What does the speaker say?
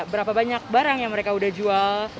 berapa banyak barang yang mereka udah jual